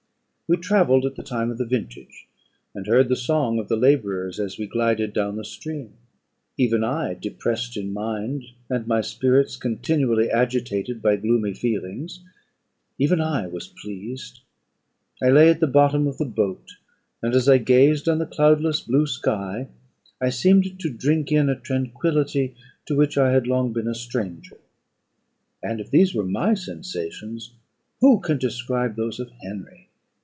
We travelled at the time of the vintage, and heard the song of the labourers, as we glided down the stream. Even I, depressed in mind, and my spirits continually agitated by gloomy feelings, even I was pleased. I lay at the bottom of the boat, and, as I gazed on the cloudless blue sky, I seemed to drink in a tranquillity to which I had long been a stranger. And if these were my sensations, who can describe those of Henry?